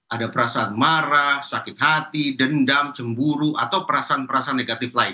ada perasaan marah sakit hati dendam cemburu atau perasaan perasaan negatif lain